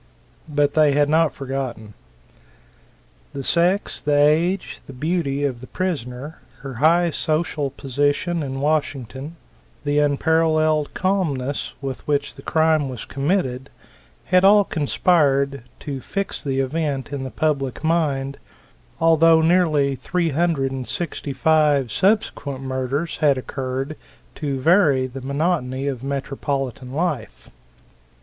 But they had not forgotten. The sex, the age, the beauty of the prisoner; her high social position in Washington, the unparalled calmness with which the crime was committed had all conspired to fix the event in the public mind, although nearly three hundred and sixty five subsequent murders had occurred to vary the monotony of metropolitan life.